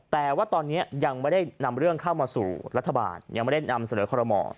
แต่ว่าตอนนี้ยังไม่ได้นำเรื่องเข้ามาสู่รัฐบาลยังไม่ได้นำเสนอคอรมอ